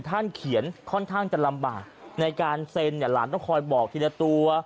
ท่านเขียนค่อนข้างจะลำบากในการเซ็นเนี่ยหลานต้องคอยบอกทีละตัว